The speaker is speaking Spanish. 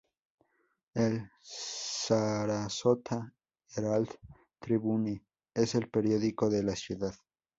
El "Sarasota Herald-Tribune" es el periódico de la ciudad.